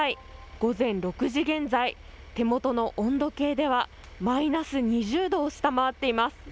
午前６時現在、手元の温度計ではマイナス２０度を下回っています。